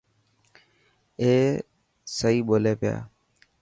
اي سئي ٻولي پيا.